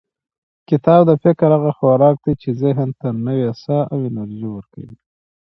کتاب د فکر هغه خوراک دی چې ذهن ته نوې ساه او انرژي ورکوي.